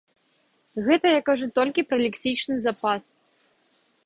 Гэта я кажу толькі пра лексічны запас.